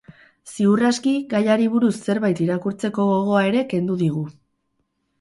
Ziur aski gaiari buruz zerbait irakurtzeko gogoa ere kendu digu.